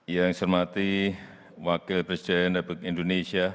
yang saya hormati wakil presiden republik indonesia